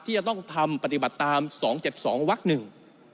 ที่จะต้องทำปฏิบัติตาม๒๗๒วักหนึ่ง